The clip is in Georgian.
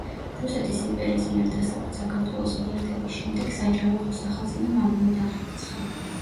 რუსეთის იმპერიის მიერ დასავლეთ საქართველოს მიერთების შემდეგ საჯავახო სახაზინო მამულად აღირიცხა.